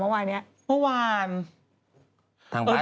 แล้วมันไปเอาอย่างเนี้ย